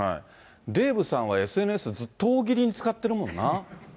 デーブさんはＳＮＳ、ずっと大喜利に使ってるもんな。